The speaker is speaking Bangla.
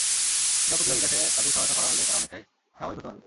এসব প্রতিভা বিকাশে তাদের সহায়তা করা হলে তারা অনেকটাই স্বাভাবিক হতে পারবে।